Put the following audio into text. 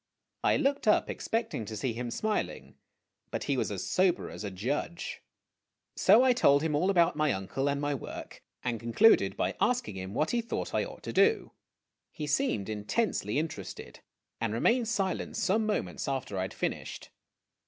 I looked up, expecting to see him smiling, but he was as sober as a judge. So I told him all about my uncle and my work, and concluded by asking him what he thought I ought to do. He seemed intensely interested, and remained silent some moments after I had finished.